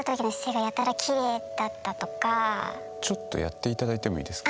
ちょっとやっていただいてもいいですか。